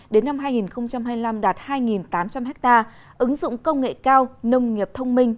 đến năm hai nghìn hai mươi năm đạt hai tám trăm linh ha ứng dụng công nghệ cao nông nghiệp thông minh